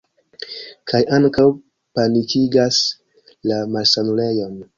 Kaj ankaŭ panikigas la malsanulejon.